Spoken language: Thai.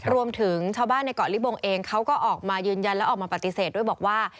รวมถึงชาวบ้านในเกาะลิบงเองเขาก็ออกมายืนยันและออกมาปฏิเสธด้วยบอกว่า